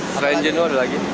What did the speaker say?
selain jenua ada lagi